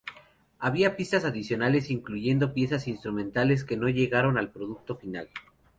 Había pistas adicionales, incluyendo piezas instrumentales que no llegaron al producto final.